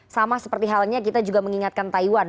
sama seperti halnya kita juga mengingatkan taiwan